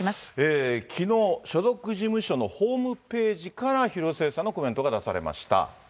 きのう、所属事務所のホームページから、広末さんのコメントが出されました。